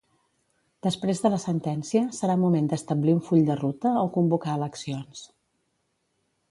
Després de la sentència serà moment d'establir un full de ruta o convocar eleccions.